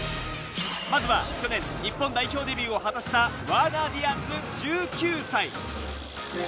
まずは去年日本代表デビューを果たしたワーナー・ディアンズ、１９歳。